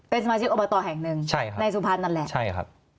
เป็นสมาชิกอบตแห่งหนึ่งใช่ครับในสุพรรณนั่นแหละใช่ครับ